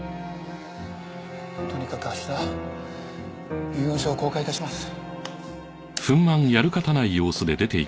とにかく明日遺言書を公開致します。